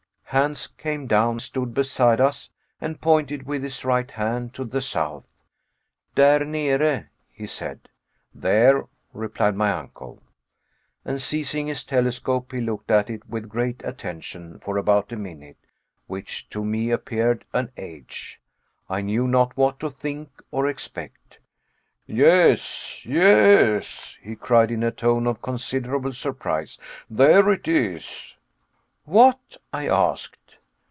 Hans came down, stood beside us, and pointed with his right hand to the south. "Der nere," he said. "There," replied my uncle. And seizing his telescope, he looked at it with great attention for about a minute, which to me appeared an age. I knew not what to think or expect. "Yes, yes," he cried in a tone of considerable surprise, "there it is." "What?" I asked.